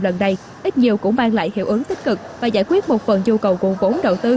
lần này ít nhiều cũng mang lại hiệu ứng tích cực và giải quyết một phần nhu cầu nguồn vốn đầu tư